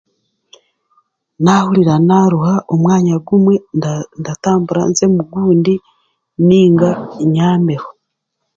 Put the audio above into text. Nahurira naaruha omwanya gumwe ndatambura nze omu gundi nainga nyaameho